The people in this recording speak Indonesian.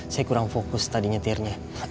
saya kurang fokus tadi nyetirnya